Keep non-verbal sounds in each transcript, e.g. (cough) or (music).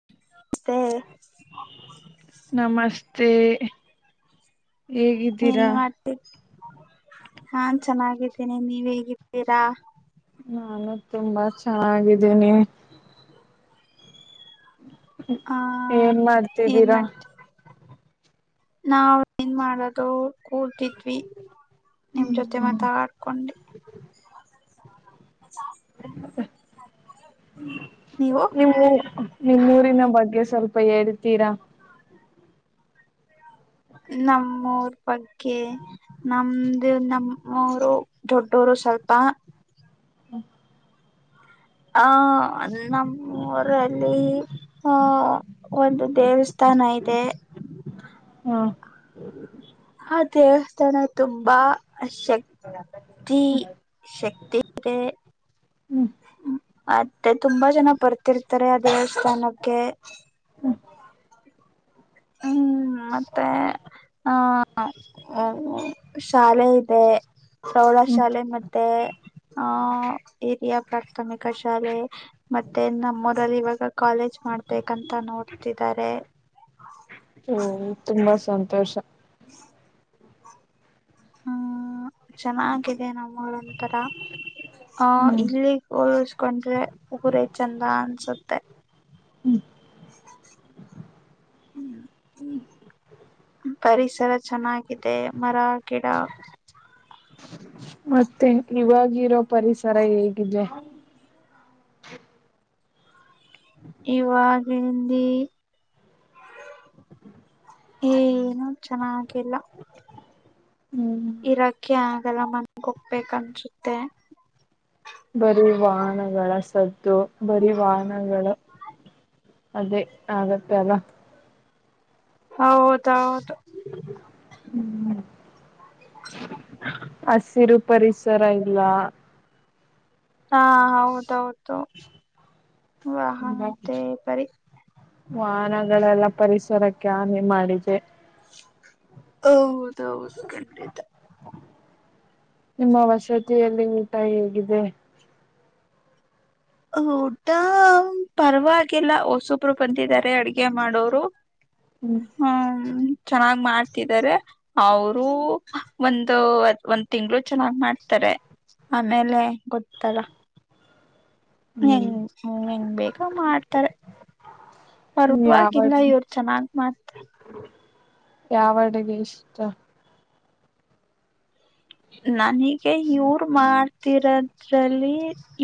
(unintelligible) ನಮಸ್ತೆ. ನಮಸ್ತೆ. ಏನ್ ಹೇಗಿದ್ದೀರಾ ಮಾಡ್ತ ಹಾ ಚೆನ್ನಾಗಿದ್ದೀನಿ ನೀವ್ ಹೇಗಿದ್ದೀರಾ. ನಾನು ತುಂಬಾ ಚೆನ್ನಾಗಿದ್ದೀನಿ. ಆ ಏನ್ ಏನ್ ಮಾಡ್ತಿದ್ದೀರಾ. ಮಾಡ್ತಿ ನಾವ್ ಏನ್ ಮಾಡೋದು ಕೂರ್ತಿದ್ವಿ ನಿಮ್ ಜೊತೆ ಮಾತು ಆಡ್ಕೊಂಡು. (unintelligible) ನೀವು. ನಿಮ್ಮೂರಿನ ಬಗ್ಗೆ ಸ್ವಲ್ಪ ಹೇಳ್ತೀರಾ. ನಮ್ಮೂರ್ ಬಗ್ಗೆ. ನಮ್ದ ನಮ್ಮವರು ದೊಡ್ಡೋರು ಸ್ವಲ್ಪ. ಹ್ಮ್ ಆ ನಮ್ಮೂರಲ್ಲಿ ಆಹ್ ಒಂದು ದೇವಸ್ಥಾನ ಇದೆ. ಹಾಂ (inaudible) ಆ ದೇವಸ್ಥಾನ ತುಂಬಾ ಶಕ್ತಿ. ಶಕ್ತಿಗೆ. ಹ್ಮ್ ಮತ್ತೆ ತುಂಬಾ ಜನ ಬರ್ತಿರ್ತಾರೆ ಆ ದೇವಸ್ಥಾನಕ್ಕೆ. ಹ್ಮ್ ಮತ್ತೆ ಆ. ಶಾಲೆ ಇದೆ. ಪ್ರೌಢ ಹ್ಮ್ ಶಾಲೆ ಮತ್ತೆ ಆಹ್ ಹಿರಿಯ ಪ್ರಾಥಮಿಕ ಶಾಲೆ. ಮತ್ತೆ ನಮ್ಮೂರಲ್ಲಿ ಇವಾಗ ಕಾಲೇಜ್ ಮಾಡ್ಬೇಕಂತ ನೋಡ್ತಿದ್ದಾರೆ. ಓಹ್ ತುಂಬಾ ಸಂತೋಷ. ಹ್ಮ್ ಚೆನ್ನಾಗಿದೆ ನಮ್ಮೂರು ಒಂತರಾ. ಹ ಹ್ಮ್ ಇಲ್ಲಿಗ್ ಹೋಲಸ್ಕೊಂಡ್ರೆ ಊರೇ ಚಂದ ಅನ್ಸುತ್ತೆ. ಹ್ಮ್ ಹ್ಮ್ ಹ್ಮ್ ಪರಿಸರ ಚೆನ್ನಾಗಿದೆ ಮರ ಗಿಡ. ಮತ್ತೆ ಇವಾಗಿರೋ ಪರಿಸರ ಹೇಗಿದೆ. ಯುುವಾಗಿಲ್ಲಿ. ಏನು ಚೆನಾಗಿಲ್ಲ. ಹ್ಮ್ ಕೆ ಆಗಲ್ಲ ಮನ್ಗೆ ಹೋಗ್ಬೇಕ ಅನ್ಸುತ್ತೆ. ಬರಿ ವಾಹನಗಳ ಸದ್ದು ಬರಿ ವಾಹನಗಳ. ಅದೇ ಆಗತ್ತೆ ಅಲ್ಲ. ಹೌದೌದು. ಹ್ಮ್ ಹಸಿರು ಪರಿಸರ ಇಲ್ಲ. ಹಾಂ ಹೌದೌದು ತುಂಬಾ ವಾಹನದ್ದೇ ಬರಿ. ವಾಹನಗಳೆಲ್ಲ ಪರಿಸರಕ್ಕೆ ಹಾನಿ ಮಾಡಿದೆ. ಹೌದೌದು ಖಂಡಿತ. ನಿಮ್ಮ ವಸತಿಯಲ್ಲಿ ಊಟ ಹೇಗಿದೆ. ಊಟಾ ಪರವಾಗಿಲ್ಲ ಹೊಸಬ್ ಒಬ್ರು ಬಂದಿದಾರೆ ಅಡ್ಗೆ ಮಾಡೋರು. ಹ್ಮ್ ಚೆನ್ನಾಗ್ ಮಾಡ್ತಿದ್ದಾರೆ ಅವರು ಒಂದು ಅದ್ ಒಂದ್ ತಿಂಗಳು ಚೆನ್ನಾಗ್ ಮಾಡ್ತಾರೆ ಆಮೇಲೆ ಗೊತ್ತಲ್ಲ. ಹೆಂಗ್ ಹ್ಮ್ ಹೆಂಗಹೆಂಗ್ ಬೇಕಾ ಮಾಡ್ತಾರೆ. ಪರ್ವಾಗಿಲ್ಲ ಇವರು ಚೆನ್ನಾಗ್ ಮಾಡ್ ಯಾವಡಗೆ ಇಷ್ಟ. ನನಗೆ ಇವರು ಮಾಡ್ತಿರದ್ರಲ್ಲಿ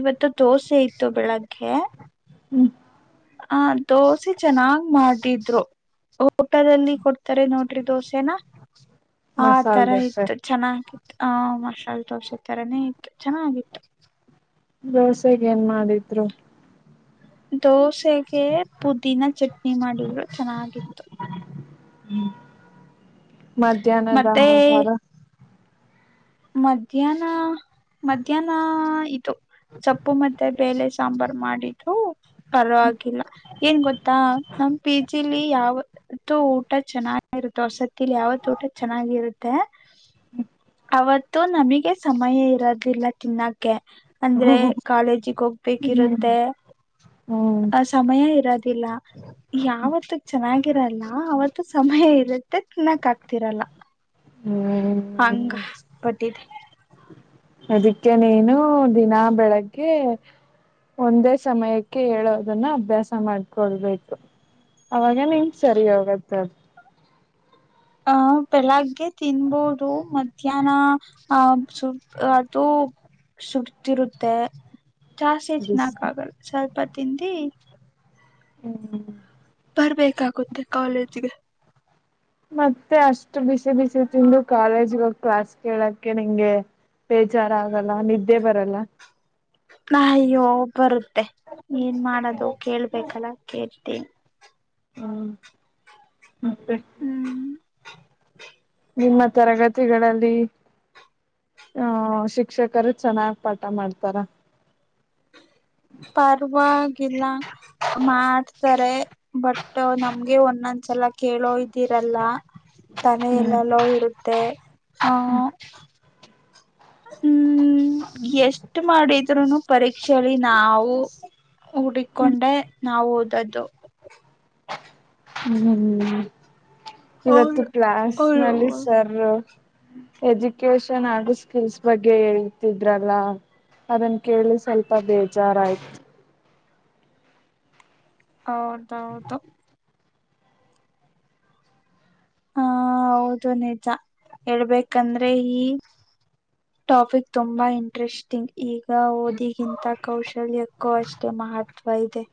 ಇವತ್ತು. ದೋಸೆ ಇತ್ತು ಬೆಳಗ್ಗೆ. ಹ್ಮ್ ಹಂ ದೋಸೆ ಚೆನ್ನಾಗ್ ಮಾಡಿದ್ರು ಹೋ ಹೋಟಲಲ್ಲಿ ಕೊಡ್ತಾರೆ ನೋಡ್ರಿ ದೋಸೆನ ಆ ಮಸಾಲೆ ತರ ದೋಸೆ ಇತ್ತು. ಚೆನ್ನಾಗಿತ್ತು ಆಹ ಮಸಲ್ ದೋರ್ಸತ್ತರನೇ ಇತ್ತು ಚೆನ್ನಾಗಿತ್ತು. ದೋಸೆೆಗೆ ಏನ್ ಮಾಡಿದ್ರು. ದೋಸೆಗೆ ಪುದೀನ ಚಟ್ನಿ ಮಾಡಿದರು ಚೆನ್ನಾಗಿತ್ತು. ಹ ಮಧ್ಯಾಹ್ನದ ಮತ್ತೆ ಆಹಾರ ಮಧ್ಯಾಹ್ನ ಮಧ್ಯಾಹ್ನ ಇದು ಸೊಪ್ಪು (unintelligible) ಮದೆ ಬೆಳೇ ಸಾಂಬಾರ್ ಮಾಡಿದ್ರು ಪರವಾಗಿಲ್ಲ. ಏನ್ ಗೊತ್ತಾ ನಮ ಪಿ ಜಿ ಲಿ ಯಾವ ಇವತು ಊಟ ಚೆನ್ನಾಗಿರುತ್ತೆ. ವಸತಿ ಯಾವತ್ತು ಊಟ ಚೆನ್ನಾಗಿರುತ್ತೆ. ಅವತ್ತು ನಮಗೆ ಸಮಯ ಇರೋದಿಲ್ಲ ತಿನ್ನೋಕ್ಕೆ. ಅಂದ್ರೆ ಹ್ಮ್ ಕಾಲೇಜಿಗೆ ಹೋಗ್ಬೇಕಿರುತ್ತೆ. ಹ್ಮ್ ಆ ಸಮಯ ಇರೋದಿಲ್ಲ. ಯಾವತ್ತು ಚೆನ್ನಾಗಿರಲ್ಲ ಆವತ್ತು ಸಮಯ ಇರುತ್ತೆ ತಿನ್ನಕ್ ಆಗ್ತಿರಲ್ಲ. ಹ್ಮ್ ಹಂಗ ಬತಿದೆ (unintelligible) ಅದಕ್ಕೆ ನೀನು ದಿನಾ ಬೆಳಗ್ಗೆ. ಒಂದೇ ಸಮಯಕ್ಕೆ ಹೇಳೋದನ್ನ ಅಭ್ಯಾಸ ಮಾಡ್ಕೊಳ್ಬೇಕು. ಅವಾಗ ನಿನ್ ಸರಿ ಹೋಗದು. ಆ (inaudible) ಬೆಳಗ್ಗೆ ತಿನ್ಬೋದು ಮಧ್ಯಾಹ್ನ ಅಹ ಸ ಅದು. ಸುಡ್ತರುತ್ತೆ ಜಾಸ್ತಿ ಅದು ತಿನ್ನಕ್ ಆಗಲ್ಲ ಸ್ವಲ್ಪ ತಿಂದಿ. ಹ್ಮ್ ಬರ್ಬೇಕಾಗುತ್ತೆ ಕಾಲೇಜ್ಗೆ ಮತ್ತೆ ಅಷ್ಟು ಬಿಸಿ ಬಿಸಿ ತಿಂದು ಕಾಲೇಜ್ಗ ಕ್ಲಾಸ್ ಕೇಳಕ್ಕೆ ನಿಂಗೆ. ಬೇಜಾರ ಆಗಲ್ಲ ನಿದ್ದೆ ಬರಲ್ಲ. ನ ಅಯ್ಯೋ ಬರುತ್ತೆ ಏನ್ ಮಾಡೋದು ಕೇಳ್ಬೇಕಲ್ಲ ಕೇಳ್ತೀನಿ. ಹ್ಮ್ ಮತ್ತೆ ಹ್ಮ್ ನಿಮ್ಮ ತರಗತಿಗಳಲ್ಲಿ. ಹಹ ಶಿಕ್ಷಕರು ಚೆನ್ನಾಗ್ ಪಾಠ ಮಾಡ್ತಾರ. ಪರವಾಗಿಲ್ಲ ಮಾಡ್ತಾರೆ ಬಟ್. ನಮ್ಗೆ ಒಂದೊಂದ್ಸಲ ಕೇಳೋ ಇದ್ದಿರಲ್ಲ. ತಲೆ ಹ್ಮ್ ಎಲ್ಲಲ್ಲೋ ಇರುತ್ತೆ. ಆಹ ಹ್ಮ್ ಎಷ್ಟ ಮಾಡಿದ್ರುನು ಪರೀಕ್ಷೆಯಲ್ಲಿ ನಾವು ಹುಡ್ಕೊಂಡೆ ನಾವು ಓದದ್ದು. ಹ್ಮ ಹ್ಮ್ ಇವತ್ತು. ಅವ್ರು ಕ್ಲಾಸ್ ಅವ್ರು ನಲ್ಲಿ ಸರ್ ಎಜುಕೇಶನ್ ಹಾಗು ಸ್ಕಿಲ್ಸ್ ಬಗ್ಗೆ ಹೇಳ್ತಿದ್ರಲ್ಲ. ಅದನ್ನ ಕೇಳಿ ಸ್ವಲ್ಪ ಬೇಜಾರಾಯಯ್ತು. ಹೌದೌದು ಹ ಹೌದು ನಿಜ ಹೇಳ್ಬೇಕಂದ್ರೆ. ಈ ಟಾಪಿಕ್ ತುಂಬಾ ಇಂಟ್ರೆಸ್ಟಿಂಗ್ ಈಗ ಓದಿಗಿಂತ ಕೌಶಲ್ಯಕ್ಕೂ ಅಷ್ಟೇ ಮಹತ್ವ ಇದೆ.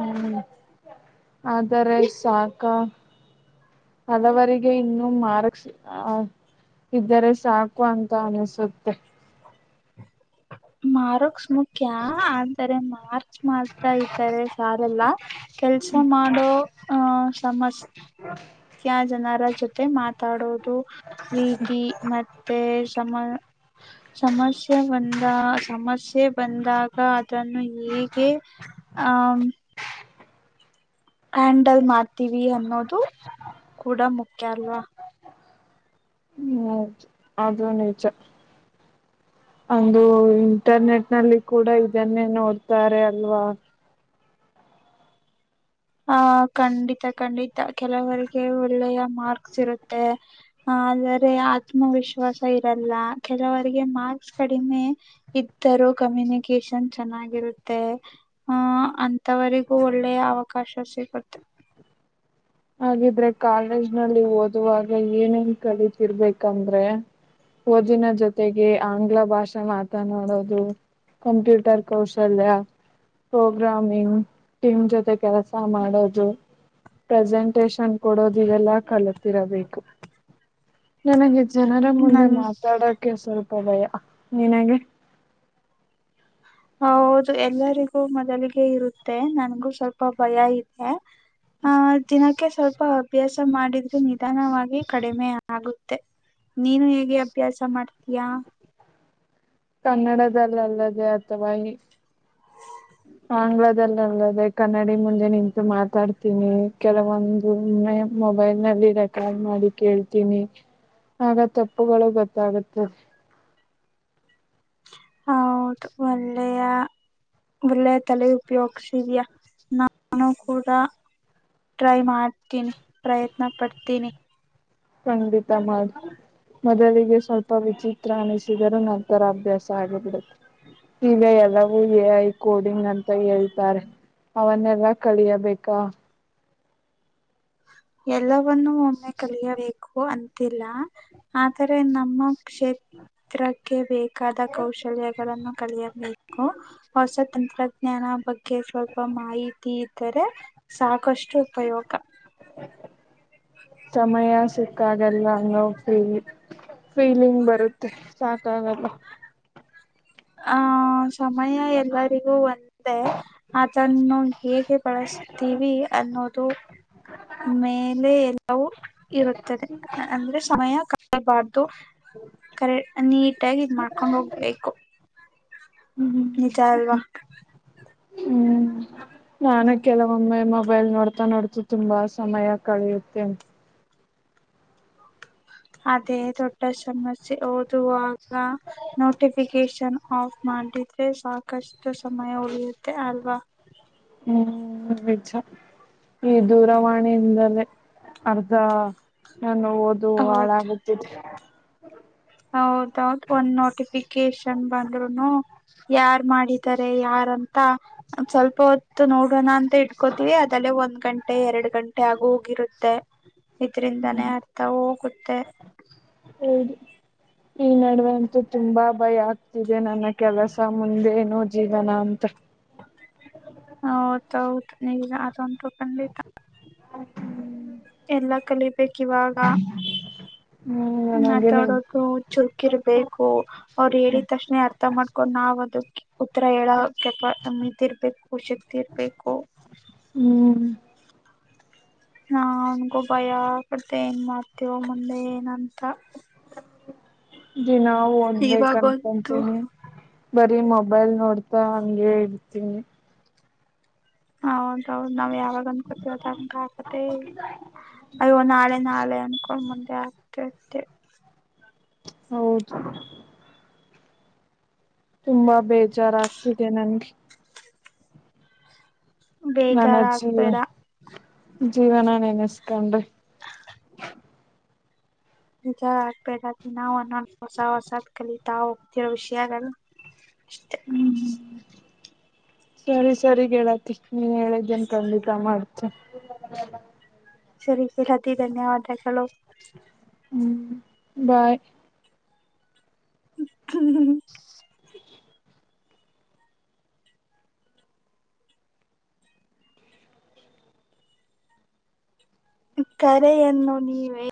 ಹ್ಮ್ ಆದರೆ ಸಾಕ. ಹಲವರೀಗೆ ಇನ್ನುೂ ಮಾರ್ಕ್ಸ್ ಇದ್ದರೆ ಸಾಕು ಅಂತ ಅನಸುತ್ತೆ. ಮಾರೋಕ್ಸ್ ಮುಖ್ಯ ಅಂತರೆ ಮಾರ್ಚ್ ಮಾಡ್ತಾ ಇದ್ದರೆ ಸಾರಲ್ಲ. ಕೆಲ್ಸ ಮಾಡೋ ಆಹ ಸಮಸ್ಯ ಕ್ಯಾ ಜನರ ಜೊತೆ ಮಾತಾಡೋದು ರೀತಿ ಮತ್ತೆ ಸಮ ಸಮಸ್ಯೆ ಬಂದ ಸಮಸ್ಯೆ ಬಂದಾಗ ಅದನ್ನು ಹೇಗೆ ಹ ಹ್ಯಾಂಡಲ್ ಮಾಡ್ತೀವಿ ಅನ್ನೋದು ಕೂಡ ಮುಖ್ಯ ಅಲ್ವಾ ಹ್ಮ್ ಅದು ನಿಜ ಒಂದು ಇಂಟರ್ನೆಟ್ ನಲ್ಲಿ ಕೂಡ ಇದನ್ನೇ ನೋಡ್ತಾರೆ ಅಲ್ವಾ ಆಹ ಖಂಡಿತ ಖಂಡಿತ ಕೆಲವರಿಗೆ ಒಳ್ಳೆಯ ಮಾರ್ಕ್ಸ್ ಇರುತ್ತೆ ಆದರೆ ಆತ್ಮವಿಶ್ವಾಸ ಇರಲ್ಲ ಕೆಲವರಿಗೆ ಮಾರ್ಕ್ಸ್ ಕಡಿಮೆ ಇದ್ದರೂ ಕಮ್ಯುನಿಕೇಶನ್ ಚೆನ್ನಾಗಿರುತ್ತೆ ಹಹ ಅಂತಥವರಿಗೂ ಒಳ್ಳೆ ಅವಕಾಶ ಸಿಗುತ್ತೆ ಹಾಗಿದ್ರೆ ಕಾಲೇಜ್ ನಲ್ಲಿ ಓದುವಾಗ ಏನೇನ್ ಕಲಿತಿರಬೇಕಂದ್ರೆ ಓದಿನ ಜೊತೆಗೆ ಆಂಗ್ಲ ಭಾಷೆ ಮಾತನಾಡೋದು ಕಂಪ್ಯೂಟರ್ ಕೌಶಲ್ಯ ಪ್ರೋಗ್ರಾಮ ಏನು ಟೀಮ್ ಜೊತೆ ಕೆಲಸ ಮಾಡೋದು ಪ್ರೆಸೆಂಟಷನ್ ಕೊಡೋದು ಇವೆಲ್ಲ ಕಲತಿರಬೇಕು ನನಗೆ ಜನರ ಮುಂದೆ ನನ್ ಮಾತಾಡೋಕ್ಕೆ ಸ್ವಲ್ಪ ಭಯ ನಿನಗೆ ಹೌದು ಎಲ್ಲರಿಗೂ ಮೊದಲಿಗೆ ಇರುತ್ತೆ ನನ್ಗೂ ಸ್ವಲ್ಪ ಭಯ ಇದೆ ಆಹ ದಿನಕ್ಕೆ ಸ್ವಲ್ಪ ಅಭ್ಯಾಸ ಮಾಡಿದ್ರೆ ನಿಧಾನವಾಗಿ ಕಡಿಮೆ ಆಗುತ್ತೆ ನೀನು ಹೇಗೆ ಅಭ್ಯಾಸ ಮಾಡ್ತೀಯಾ ಕನ್ನಡದಲ್ಲಿ ಅಲ್ಲದೆ ಅಥವಾ ಈ (inaudible) ಆಂಗ್ಲದಲ್ಲ ಅಲ್ಲದೆ ಕನ್ನಡಿ ಮುಂದೆ ನಿಂತು ಮಾತಾಡ್ತೀನಿ ಕೆಲವೊಂದುಮ್ಮೆ ಮೊಬೈಲ್ ನಲ್ಲಿ ರೆಕಾರ್ಡ್ ಮಾಡಿ ಕೇಳ್ತೀನಿ ಆಗ ತಪ್ಪುಗಳು ಗೊತ್ತಾಗುತ್ತದೆ ಹೌದು ಒಳ್ಳೆಯ ಒಳ್ಳೆಯ ತಲೆ ಉಪಯೋಗ್ಸಿದಯಾ ನಾನು ಕೂಡ ಟ್ರೈ ಮಾಡ್ತೀನಿ ಪ್ರಯತ್ನ ಪಡ್ತೀನಿ ಖಂಡಿತ ಮಾಡ ಮೊದಲಿಗೆ ಸ್ವಲ್ಪ ವಿಚಿತ್ರ ಅನಿಸಿದರೂ ನಂತರ ಅಭ್ಯಾಸ ಆಗಿಬಿಡುತ್ತೆ ಈಗ ಎಲ್ಲವೂ ಎ ಐ ಕೋಡಿಂಗ್ ಅಂತ ಹೇಳ್ತಾರೆ ಅವನ್ನೆಲ್ಲಾ ಕಳಿಯಬೇಕಾ ಎಲ್ಲವನ್ನೂ ಒಮ್ಮೆ ಕಲಿಯಬೇಕು ಅಂತಿಲ್ಲ ಆದರೆ ನಮ್ಮ ಕ್ಷೇತ್ರಕ್ಕೆ ಬೇಕಾದ ಕೌಶಲ್ಯಗಳನ್ನು ಕಲಿಯಬೇಕು ಹೊಸ ತಂತ್ರಜ್ಞಾನ ಬಗ್ಗೆ ಸ್ವಲ್ಪ ಮಾಹಿತಿ ಇದ್ದರೆ ಸಾಕಷ್ಟು ಉಪಯೋಗ ಸಮಯ ಸಿಕ್ಕಾಗಲ್ಲ ಅನುಭೋಗಿಸಿದ್ದೇವೆ ಫೀಲಿಂಗ್ ಬರುತ್ತೆ ಸಾಕಾಗಲ್ಲ ಆಹ ಸಮಯ ಎಲ್ಲರಿಗೂ ಒಂದೇ ಅದನ್ನು ಹೇಗೆ ಬಳಸತೀವಿ ಅನ್ನೋದು ಮೇಲೆ ಎಲ್ಲವೂ ಇರುತ್ತದೆ ಅಂದ್ರೆ ಸಮಯ ಕಾಯಬಾರ್ದು ಕರೆ ನೀಟಾಗಿ ಇದ್ ಮಾಡ್ಕೊಂಡ್ ಹೋಗ್ಬೇಕು ಹ್ಮ್ ನಿಜ ಅಲ್ವಾ ಹ್ಮ್ ನಾನ ಕೆಲವೊಮ್ಮೆ ಮೊಬೈಲ್ ನೋಡ್ತಾ ನೋಡ್ತು ತುಂಬಾ ಸಮಯ ಕಳೆಯುತ್ತೆನ ಅದೇ ದೊಡ್ಡ ಸಮಸ್ಯೆ ಓದುವಾಗ ಹ ನೋಟಿಫಿಕೇಶನ್ ಆಫ್ ಮಾಡಿದ್ರೆ ಸಾಕಷ್ಟು ಸಮಯ ಉಳಿಯುತ್ತೆ ಅಲ್ವಾ ಹ್ಮ್ ನಿಜ ಈ ದೂರವಾಣಿಯಿಂದಲೇ ಅರ್ಧ ನಾನು ಓದು ಹೌದ್ ಹಾಳಾಗತಿದ ಹೌದೌದು ಒಂದ್ ನೋಟಿಫಿಕೇಶನ್ ಬಂದ್ರುನು ಯಾರ್ ಮಾಡಿದ್ದಾರೆ ಯಾರ ತ ಸ್ವಲ್ಪ ಹೊತ್ತು ನೋಡೋಣ ಅಂತ ಇಟ್ಕೋತೀವಿ ಅದಲ್ಲೇ ಒಂದ್ ಗಂಟೆ ಎರಡು ಗಂಟೆ ಹಾಗಗು ಇಗಿರುತ್ತೆ ಇದ್ರಿಂದಾನೇ ಅರ್ಥ ಹೋಗುತ್ತೆ ಹಡಿ ಈ ನಡುವೆ ಅಂತೂ ತುಂಬಾ ಭಯ ಆಗ್ತಿದೆ ನನ್ನ ಕೆಲಸ ಮುಂದೆೇನು ಜೀವನ ಅಂತ ಹೌದೌದು ನೀಗ ಅದೊತು ಖಂಡಿತ ಎಲ್ಲ ಕಲಿಬೇಕ ಇವಾಗ ಹ್ಮ್ ನನಗೆ ಮಾತಾಡೋದು ಚುರುಕಿರ್ಬೇಕು ಅವ್ರು ಹೇಳಿದ ತಕ್ಷಣೆ ಅರ್ಥ ಮಾಡ್ಕೊಂಡ್ ನಾವ್ ಅದಕ್ ಉತ್ತರ ಹೇಳ ಕೆಪ ಮಂತಿರ್ಬೇಕು ಶಕ್ತಿ ಇರ್ಬೇಕು ಹ್ಮ್ ನನ್ಗೂ ಭಯ ಆಗುತ್ತೆ ಏನ್ ಮಾಡ್ತೇವ ಮುಂದೆ ಏನಂತ ದಿನಾ ಓದ್ಬೇಕ ಇವಾಗಂತೂ ಅನ್ಕಂತೀನಿ ಬರೀ ಮೊಬೈಲ್ ನೋಡ್ತಾ ಹಂಗೆ ಇರ್ತೀನಿ ಹೌದ ನಾವ್ ಯಾವಾಗ ಅನ್ಕೋತಿವದ ಅ ಆಕತ್ತ ಅಯ್ಯೋ ನಾಳೆ ನಾಳೆ ಅನ್ಕೊಂಡು ಮುಂದೆ ಆಗ್ತಿ ಇರ್ತ್ತೆ ಹೌದು ತುಂಬಾ ಬೇಜಾರಾಗ್ತಿದೆ ನನ್ಗೆ ನನ್ನ ಜೀವ ಬೇಜಾರಾಗ್ಬೇಡ ಜೀವನ ನೆನೆಸ್ಕೊಂಡು ನಿಜ ಆಗ್ಬೇ ನಾವು ಅನ್ನ ಹೊಸ ಹೊಸಾದ್ ಕಲಿತಾವು ಇರೋ ವಿಷಯಗಳು ಅಷ್ಟೆ ಸರಿ ಸರಿ ಗೆಳತಿ ನೀನ್ ಹೇಳಿದ್ದೇನ್ ಖಂಡಿತ ಮಾಡ್ತ ಸರಿ ಸರಿ ಅತೀ ಧನ್ಯವಾದಗಲು ಹ್ಮ ಬಾಯ್ ಹ್ಮ ತು ಕರೆಯನ್ನು ನೀವೇ